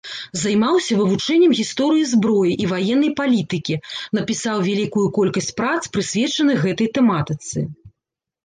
Займаўся вывучэннем гісторыі зброі і ваеннай палітыкі, напісаў вялікую колькасць прац прысвечаных гэтай тэматыцы.